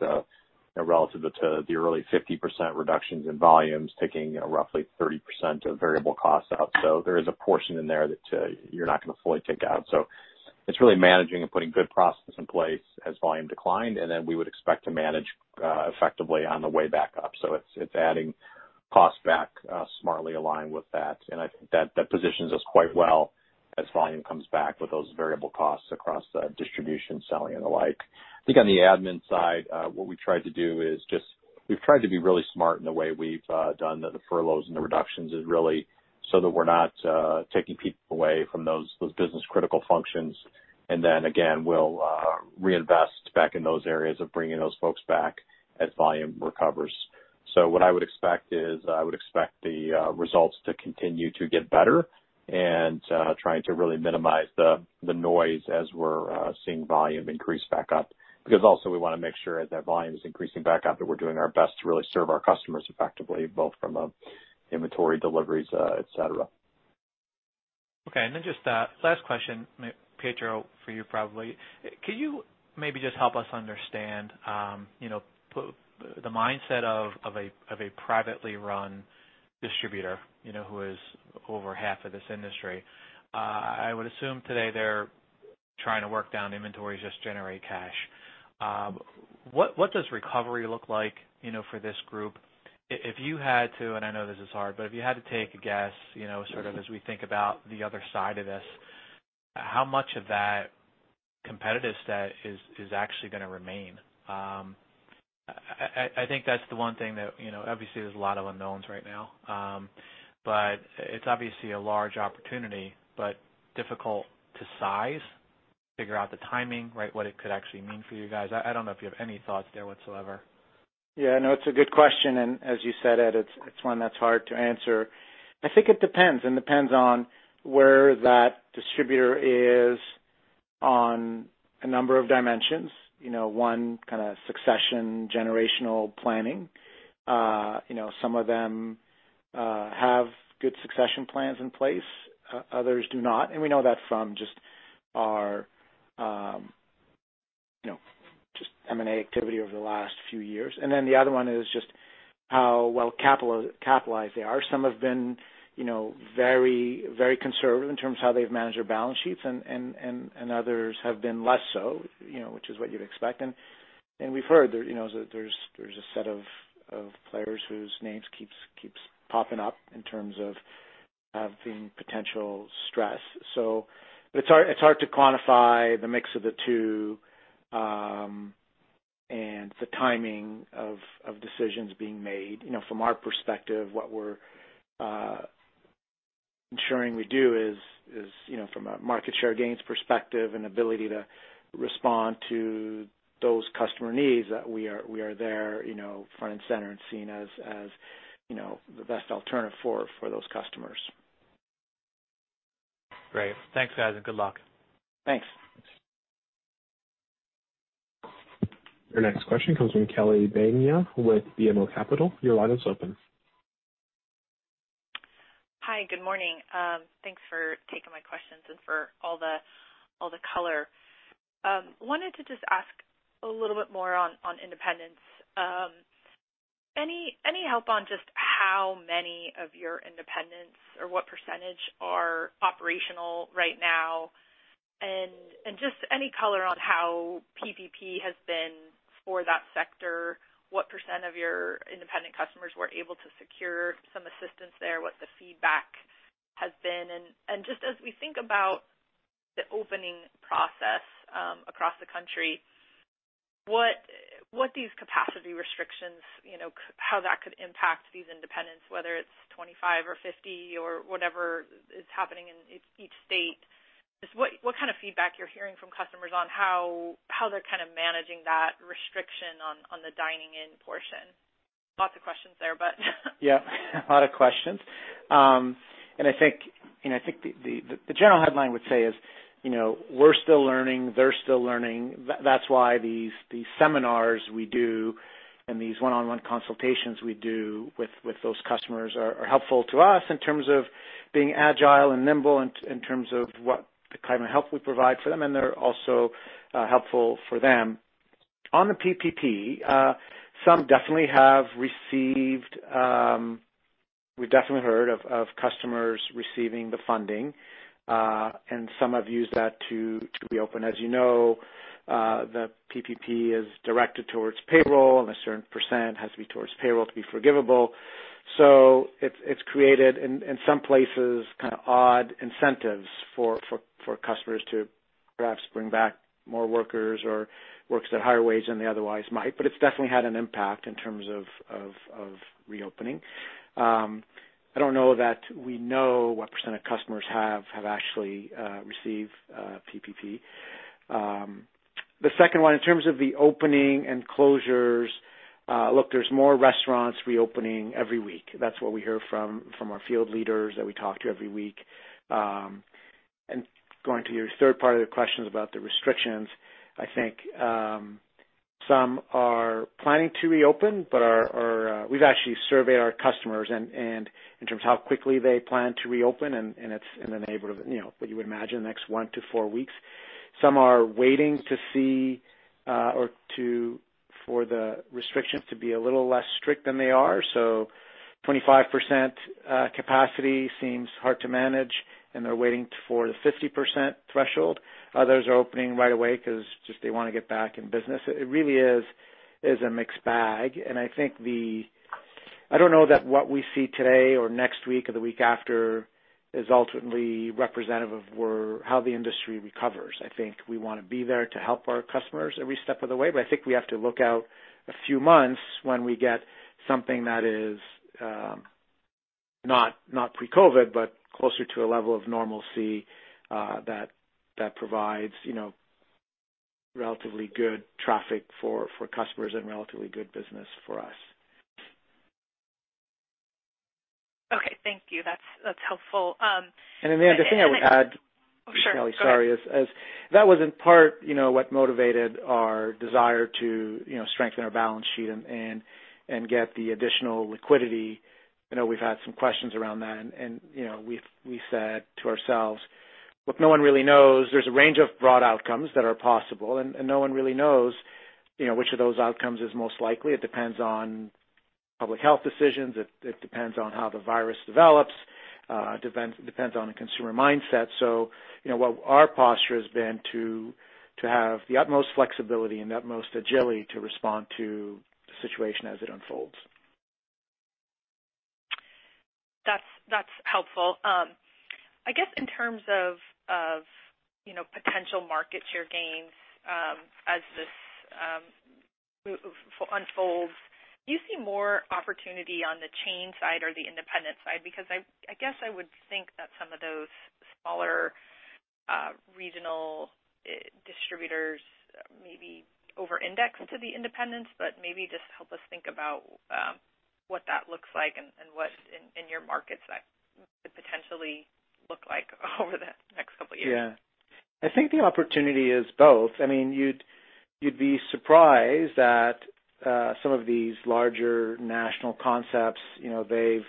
relative to the early 50% reductions in volumes, taking, you know, roughly 30% of variable costs out. There is a portion in there that you're not gonna fully take out. It's really managing and putting good processes in place as volume declined, and then we would expect to manage effectively on the way back up. It's, it's adding costs back smartly aligned with that. I think that, that positions us quite well as volume comes back with those variable costs across the distribution, selling and the like. I think on the admin side, what we tried to do is just, we've tried to be really smart in the way we've done the furloughs and the reductions is really so that we're not taking people away from those, those business critical functions. Again, we'll reinvest back in those areas of bringing those folks back as volume recovers. What I would expect is, I would expect the results to continue to get better. Trying to really minimize the noise as we're seeing volume increase back up. Also we wanna make sure as that volume is increasing back up, that we're doing our best to really serve our customers effectively, both from an inventory deliveries, et cetera. Okay. Then just a last question, Pietro, for you, probably. Can you maybe just help us understand, you know, the mindset of a privately run distributor, you know, who is over half of this industry? I would assume today they're trying to work down inventories, just generate cash. What does recovery look like, you know, for this group? If you had to, and I know this is hard, but if you had to take a guess, you know, sort of as we think about the other side of this, how much of that competitive set is actually gonna remain? I think that's the one thing that, you know, obviously, there's a lot of unknowns right now, but it's obviously a large opportunity, but difficult to size, figure out the timing, right? What it could actually mean for you guys. I, I don't know if you have any thoughts there whatsoever. Yeah, no, it's a good question. As you said, Ed, it's, it's one that's hard to answer. I think it depends. Depends on where that distributor is on a number of dimensions. You know, one, kind of succession, generational planning. You know, some of them have good succession plans in place, others do not. We know that from just our, you know, just M&A activity over the last few years. The other one is just how well capitalized they are. Some have been, you know, very, very conservative in terms of how they've managed their balance sheets, and others have been less so, you know, which is what you'd expect. We've heard there, you know, there's, there's a set of players whose names keeps popping up in terms of having potential stress. It's hard, it's hard to quantify the mix of the two, and the timing of, of decisions being made. You know, from our perspective, what we're ensuring we do is, is, you know, from a market share gains perspective and ability to respond to those customer needs, that we are, we are there, you know, front and center and seen as, as, you know, the best alternative for, for those customers. Great. Thanks, guys. Good luck. Thanks. Your next question comes from Kelly Bania with BMO Capital. Your line is open. Hi, good morning. Thanks for taking my questions and for all the, all the color. Wanted to just ask a little bit more on, on independents. Any, any help on just how many of your independents, or what %, are operational right now? Just any color on how PPP has been for that sector, what % of your independent customers were able to secure some assistance there, what the feedback has been? Just as we think about the opening process, across the country, what, what these capacity restrictions, you know, how that could impact these independents, whether it's 25 or 50, or whatever is happening in each state. Just what, what kind of feedback you're hearing from customers on how, how they're kind of managing that restriction on, on the dining-in portion? Lots of questions there, but. Yeah, a lot of questions. I think, you know, I think the, the, the general headline would say is, you know, we're still learning, they're still learning. That's why these, these seminars we do and these one-on-one consultations we do with, with those customers are, are helpful to us in terms of being agile and nimble in, in terms of what the kind of help we provide for them, and they're also helpful for them. On the PPP, some definitely have received. We've definitely heard of, of customers receiving the funding, and some have used that to, to be open. As you know, the PPP is directed towards payroll, and a certain % has to be towards payroll to be forgivable. It's, it's created, in, in some places, kind of odd incentives for, for, for customers to perhaps bring back more workers or workers at higher wages than they otherwise might. But it's definitely had an impact in terms of, of, of reopening. I don't know that we know what % of customers have, have actually received PPP. The second 1, in terms of the opening and closures, look, there's more restaurants reopening every week. That's what we hear from, from our field leaders that we talk to every week. Going to your third part of the question about the restrictions, I think, some are planning to reopen, but are, we've actually surveyed our customers and in terms of how quickly they plan to reopen, and it's in the neighborhood of, you know, what you would imagine, the next one to four weeks. Some are waiting to see, or to, for the restrictions to be a little less strict than they are. 25% capacity seems hard to manage, and they're waiting for the 50% threshold. Others are opening right away because just they wanna get back in business. It really is, is a mixed bag, and I think the... I don't know that what we see today or next week or the week after is ultimately representative of how the industry recovers. I think we want to be there to help our customers every step of the way, but I think we have to look out a few months when we get something that is not, not pre-COVID, but closer to a level of normalcy, that provides, you know, relatively good traffic for customers and relatively good business for us. Okay, thank you. That's, that's helpful. Then the other thing I would add. Sure. Kelly, sorry, is, is that was in part, you know, what motivated our desire to, you know, strengthen our balance sheet and, and, and get the additional liquidity. I know we've had some questions around that, and, you know, we said to ourselves, look, no one really knows. There's a range of broad outcomes that are possible, and, and no one really knows, you know, which of those outcomes is most likely. It depends on public health decisions. It, it depends on how the virus develops, depends, depends on the consumer mindset. You know, what our posture has been to, to have the utmost flexibility and utmost agility to respond to the situation as it unfolds. That's, that's helpful. I guess in terms of, of, you know, potential market share gains, as this unfolds, do you see more opportunity on the chain side or the independent side? Because I, I guess I would think that some of those smaller, regional, distributors may be over-indexed to the independents, but maybe just help us think about, what that looks like and, and what in, in your markets that could potentially look like over the next couple years. Yeah. I think the opportunity is both. I mean, you'd, you'd be surprised that some of these larger national concepts, you know, they've,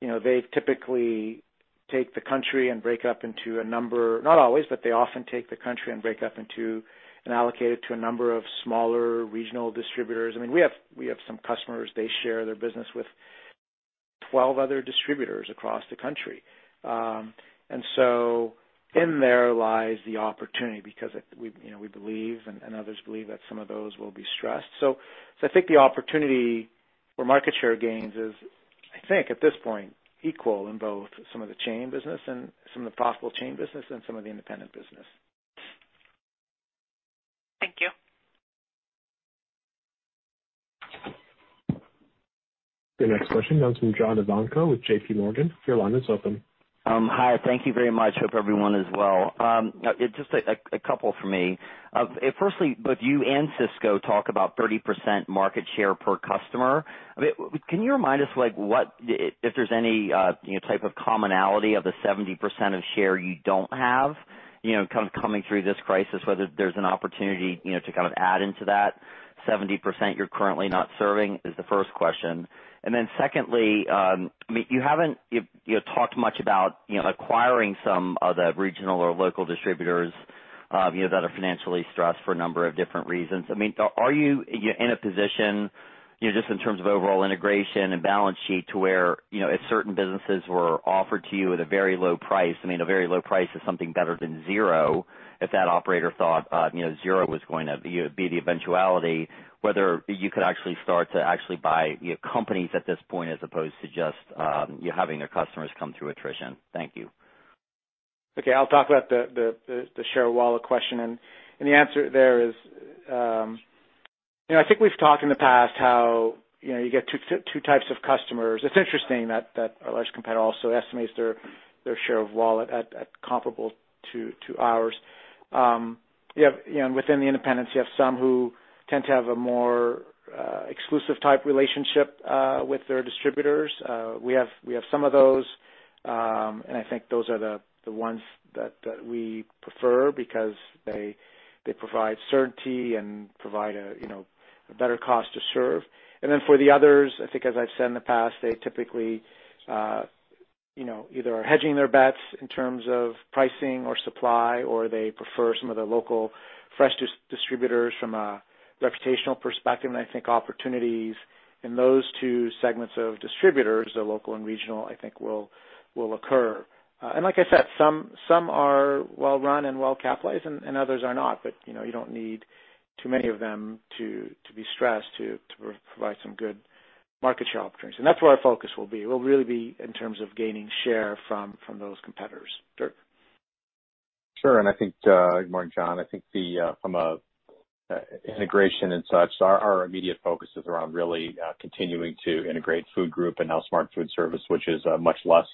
you know, they typically take the country and break up into a number... Not always, but they often take the country and break up into and allocate it to a number of smaller regional distributors. I mean, we have, we have some customers, they share their business with 12 other distributors across the country. So in there lies the opportunity because it, we, you know, we believe and, and others believe that some of those will be stressed. So I think the opportunity for market share gains is, I think, at this point, equal in both some of the chain business and some of the possible chain business and some of the independent business. Thank you. Your next question comes from John Ivankoe with JPMorgan. Your line is open. Hi, thank you very much. Hope everyone is well. Just a couple for me. Firstly, both you and Sysco talk about 30% market share per customer. I mean, can you remind us, like, what, if there's any, you know, type of commonality of the 70% of share you don't have, you know, kind of coming through this crisis, whether there's an opportunity, you know, to kind of add into that 70% you're currently not serving? Is the first question. Secondly, I mean, you haven't, you've, you know, talked much about, you know, acquiring some of the regional or local distributors, you know, that are financially stressed for a number of different reasons. I mean, are, are you in a position, you know, just in terms of overall integration and balance sheet, to where, you know, if certain businesses were offered to you at a very low price, I mean, a very low price is something better than zero, if that operator thought, you know, zero was going to be, be the eventuality, whether you could actually start to actually buy, you know, companies at this point, as opposed to just, you having their customers come through attrition? Thank you. Okay. I'll talk about the, the, the, the share of wallet question, and, and the answer there is, you know, I think we've talked in the past how, you know, you get two, two types of customers. It's interesting that, that our large competitor also estimates their, their share of wallet at, at comparable to, to ours. You have, you know, within the independents, you have some who tend to have a more exclusive type relationship with their distributors. We have, we have some of those, and I think those are the, the ones that, that we prefer because they, they provide certainty and provide a, you know, a better cost to serve. For the others, I think as I've said in the past, they typically, you know, either are hedging their bets in terms of pricing or supply, or they prefer some of the local fresh distributors from a reputational perspective. I think opportunities in those two segments of distributors, the local and regional, I think will, will occur. Like I said, some, some are well-run and well-capitalized and, and others are not. You know, you don't need too many of them to, to be stressed, to, to provide some good market share opportunities. That's where our focus will be. We'll really be in terms of gaining share from, from those competitors. Dirk? Sure. I think, good morning, John. I think the, from an integration and such, our immediate focus is around really continuing to integrate Food Group and now Smart Foodservice, which is a much less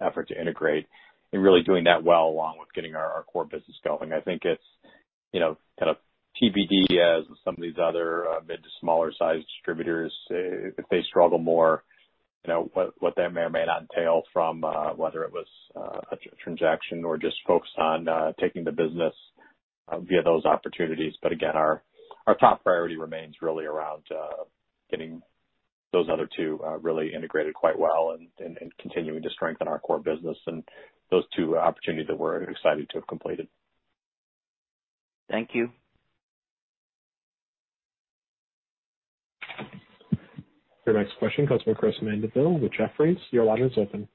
effort to integrate, and really doing that well along with getting our core business going. I think it's, you know, kind of TBD as some of these other, mid to smaller sized distributors, if they struggle more, you know, what that may or may not entail from whether it was a transaction or just focused on taking the business via those opportunities. Again, our top priority remains really around getting those other two really integrated quite well and continuing to strengthen our core business and those two opportunities that we're excited to have completed. Thank you. Your next question comes from Christopher Mandeville with Jefferies. Your line is open.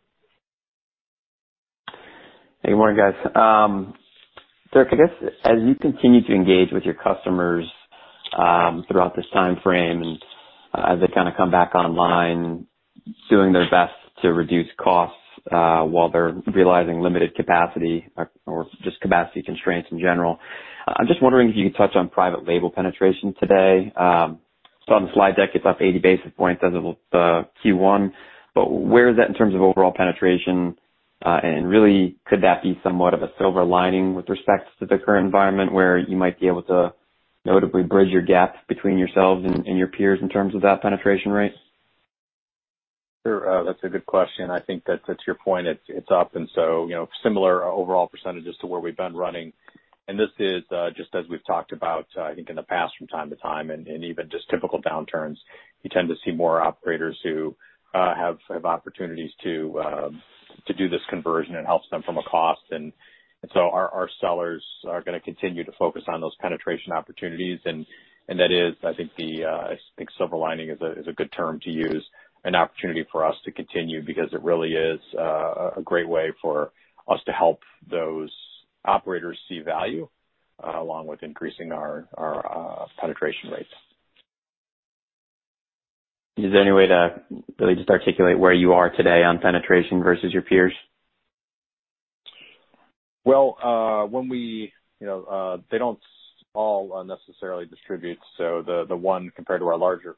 Hey, good morning, guys. Dirk, I guess as you continue to engage with your customers, throughout this timeframe and as they kind of come back online, doing their best to reduce costs, while they're realizing limited capacity or just capacity constraints in general, I'm just wondering if you could touch on private label penetration today. saw on the slide deck it's up 80 basis points as of Q1, but where is that in terms of overall penetration? Really, could that be somewhat of a silver lining with respect to the current environment, where you might be able to notably bridge your gap between yourselves and, and your peers in terms of that penetration rate? Sure. That's a good question. I think that to your point, it's, it's up and so, you know, similar overall percentages to where we've been running. This is, just as we've talked about, I think in the past, from time to time, and, and even just typical downturns, you tend to see more operators who have, have opportunities to do this conversion. It helps them from a cost. Our, our sellers are gonna continue to focus on those penetration opportunities. That is, I think, the... I think silver lining is a, is a good term to use, an opportunity for us to continue, because it really is, a, a great way for us to help those operators see value, along with increasing our, our, penetration rates. Is there any way to really just articulate where you are today on penetration versus your peers? Well, when we, you know, they don't all unnecessarily distribute, the one compared to our larger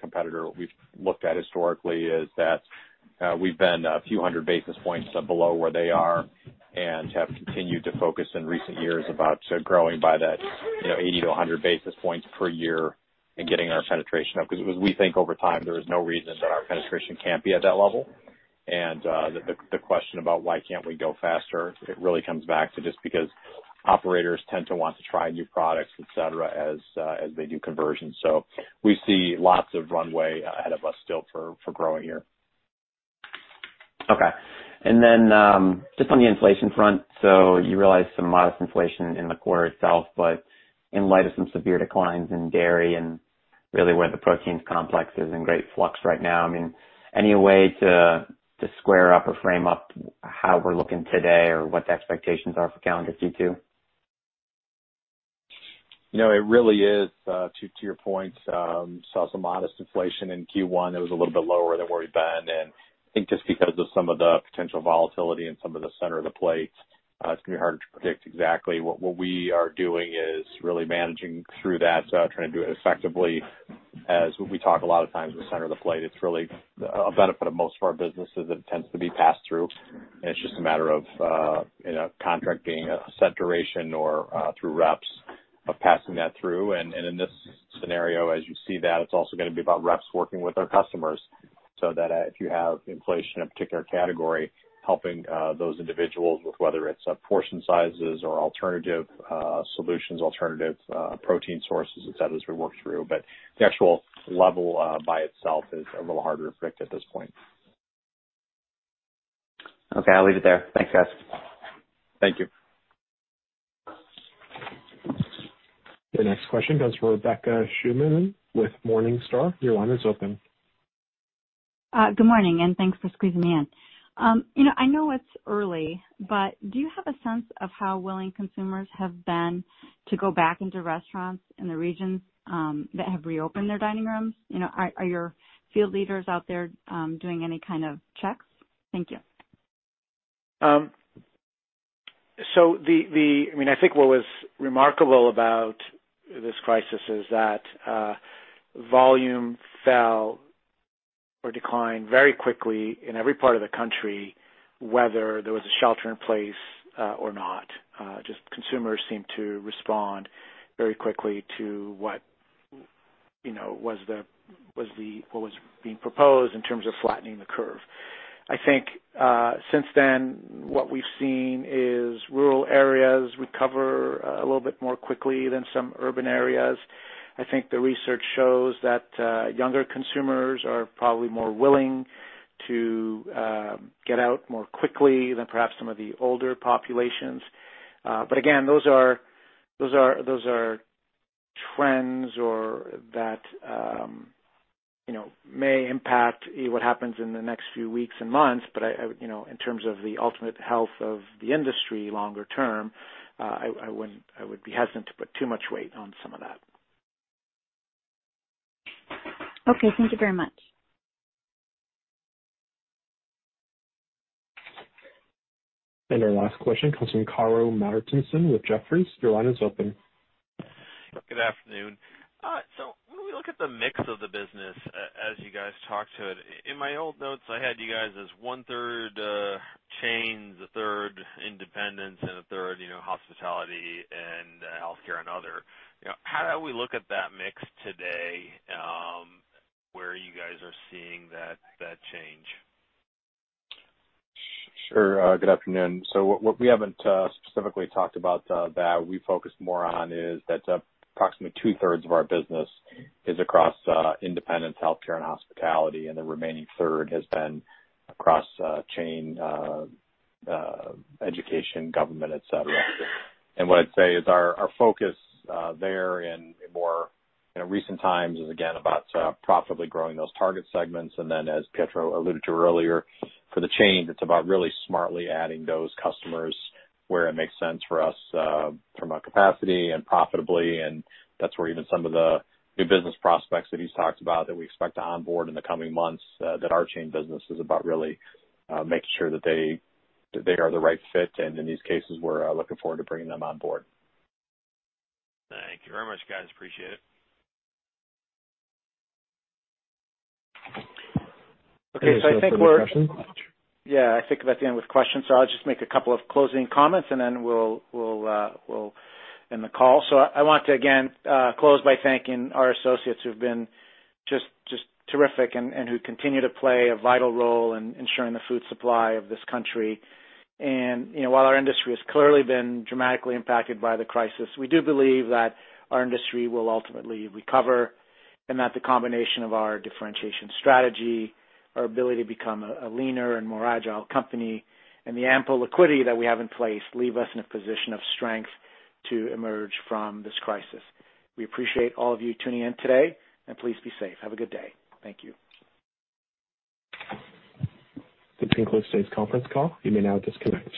competitor, we've looked at historically is that we've been a few hundred basis points below where they are and have continued to focus in recent years about growing by that, you know, 80 to 100 basis points per year and getting our penetration up. We think over time, there is no reason that our penetration can't be at that level. The question about why can't we go faster, it really comes back to just because operators tend to want to try new products, et cetera, as they do conversions. We see lots of runway ahead of us still for growing here. Okay. Just on the inflation front, so you realized some modest inflation in the quarter itself, but in light of some severe declines in dairy and really where the proteins complex is in great flux right now, I mean, any way to, to square up or frame up how we're looking today or what the expectations are for calendar Q2? You know, it really is, to your point, saw some modest inflation in Q1. It was a little bit lower than where we've been, and I think just because of some of the potential volatility in some of the center of the plate, it's gonna be hard to predict exactly. What we are doing is really managing through that, trying to do it effectively. As we talk a lot of times in the center of the plate, it's really a benefit of most of our businesses. It tends to be passed through, and it's just a matter of, you know, contract being a set duration or through reps of passing that through. In this scenario, as you see that, it's also gonna be about reps working with our customers, so that if you have inflation in a particular category, helping those individuals with whether it's portion sizes or alternative solutions, alternative protein sources, et cetera, as we work through. The actual level by itself is a little harder to predict at this point. Okay, I'll leave it there. Thanks, guys. Thank you. The next question comes from Rebecca Scheuneman with Morningstar. Your line is open. Good morning, thanks for squeezing me in. You know, I know it's early, but do you have a sense of how willing consumers have been to go back into restaurants in the regions that have reopened their dining rooms? You know, are, are your field leaders out there doing any kind of checks? Thank you. I mean, I think what was remarkable about this crisis is that volume fell or declined very quickly in every part of the country, whether there was a shelter in place or not. Just consumers seemed to respond very quickly to what, you know, was being proposed in terms of flattening the curve. I think, since then, what we've seen is rural areas recover a little bit more quickly than some urban areas. I think the research shows that younger consumers are probably more willing to get out more quickly than perhaps some of the older populations. Again, those are trends or that, you know, may impact what happens in the next few weeks and months. I, you know, in terms of the ultimate health of the industry longer term, I wouldn't-- I would be hesitant to put too much weight on some of that. Okay. Thank you very much. Our last question comes from Karru Martinson with Jefferies. Your line is open. Good afternoon. When we look at the mix of the business a-as you guys talked to it, in my old notes, I had you guys as 1/3, chains, 1/3 independents, and 1/3, you know, hospitality and, healthcare and other. You know, how do we look at that mix today, where you guys are seeing that, that change? Sure. Good afternoon. What, what we haven't specifically talked about that we focused more on, is that approximately 2/3 of our business is across independent healthcare and hospitality, and the remaining 1/3 has been across chain, education, government, et cetera. What I'd say is our, our focus there in more, you know, recent times is again, about profitably growing those target segments. As Pietro alluded to earlier, for the chain, it's about really smartly adding those customers where it makes sense for us from a capacity and profitably. That's where even some of the new business prospects that he's talked about that we expect to onboard in the coming months, that our chain business is about really making sure that they, that they are the right fit. In these cases, we're looking forward to bringing them on board. Thank you very much, guys. Appreciate it. Okay. Yeah, I think that's the end with questions, so I'll just make a couple of closing comments, and then we'll, we'll, we'll end the call. I want to again close by thanking our associates who've been just, just terrific and, and who continue to play a vital role in ensuring the food supply of this country. You know, while our industry has clearly been dramatically impacted by the crisis, we do believe that our industry will ultimately recover, and that the combination of our differentiation strategy, our ability to become a, a leaner and more agile company, and the ample liquidity that we have in place, leave us in a position of strength to emerge from this crisis. We appreciate all of you tuning in today, and please be safe. Have a good day. Thank you. This concludes today's conference call. You may now disconnect.